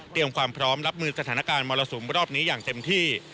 ความพร้อมรับมือสถานการณ์มรสุมรอบนี้อย่างเต็มที่